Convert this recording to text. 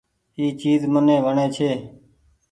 اي چيز مني وڻي ڇي۔